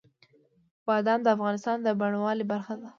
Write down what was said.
بادام د افغانستان د بڼوالۍ برخه ده.